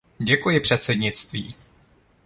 Děkuji předsednictví.